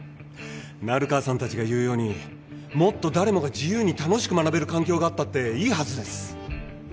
成川さん達が言うようにもっと誰もが自由に楽しく学べる環境があったっていいはずです